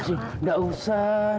aduh gak usah